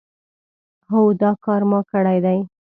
هو دا کار ما کړی دی.